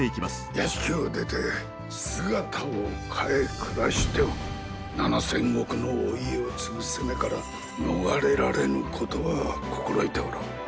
屋敷を出て、姿を変え暮らしても７０００石のお家を継ぐせめから逃れられぬことは心得ておろう。